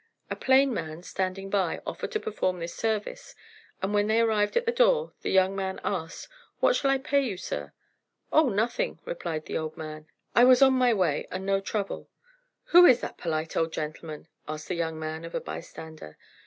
A plain man standing by offered to perform the service, and when they arrived at the door the young man asked, 'What shall I pay you, sir'? 'O nothing,' replied the old man; 'It was on my way, and no trouble.' 'Who is that polite old gentleman,' asked the young man of a bystander.